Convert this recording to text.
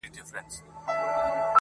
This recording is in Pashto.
o يه پر ما گرانه ته مي مه هېروه.